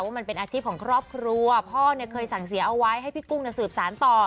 มันเป็นอาชีพของครอบครัวพ่อเนี่ยเคยสั่งเสียเอาไว้ให้พี่กุ้งสืบสารต่อ